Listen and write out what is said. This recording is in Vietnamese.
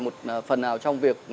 một phần nào trong việc